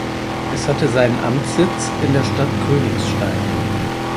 Es hatte seinen Amtssitz in der Stadt Königstein.